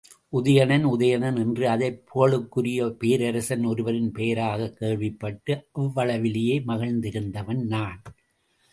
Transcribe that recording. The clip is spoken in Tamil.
உதயணன், உதயணன் என்று அதைப் புகழுக்குரிய பேரரசன் ஒருவனின் பெயராகக் கேள்விப்பட்டு அவ்வளவிலேயே மகிழ்ந்திருந்தவன் நான்!